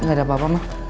enggak ada apa apa mak